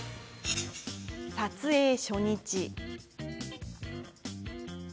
撮影初日。